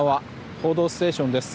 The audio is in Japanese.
「報道ステーション」です。